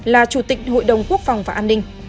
là chủ tịch hội đồng quốc phòng và an ninh